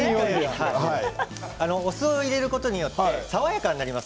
お酢を入れることで爽やかになります